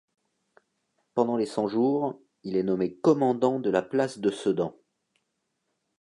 Pendant les Cent-Jours, il est nommé commandant de la place de Sedan.